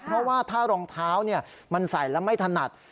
เพราะว่าถ้ารองเท้ามันใส่แล้วไม่ถนัด